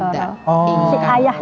yang dulu yang